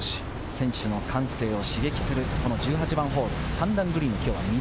選手の感性を刺激する１８番ホール、３段グリーンです。